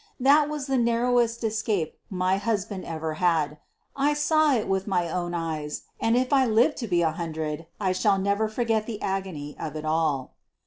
That wag the narrowest escape my husband ever had — I saw it with my own eyes, and, if I live to be a hundred, I shall never forget the agony of it all.